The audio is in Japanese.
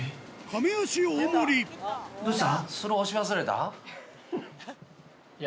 どうした？